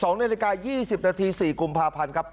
๒นาฬิกา๒๐นาที๔กุมภาพันธ์ครับ